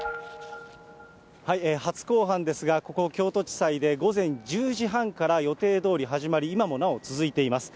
初公判ですが、ここ、京都地裁で午前１０時半から予定どおり始まり、今もなお続いています。